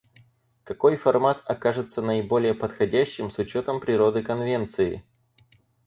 Какой формат окажется наиболее подходящим с учетом природы Конвенции?